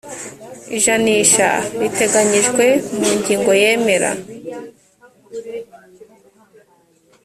ijanisha riteganyijwe mu ngingo yamere.